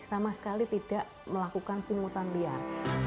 sama sekali tidak melakukan pungutan liar